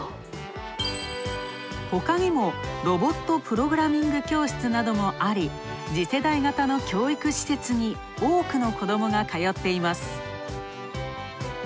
ほかにもロボットプログラミング教室などもあり次世代型の教育施設に多くの子どもが通っています。